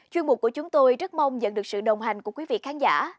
chuyên mục của chúng tôi rất mong nhận được sự đồng hành của quý vị khán giả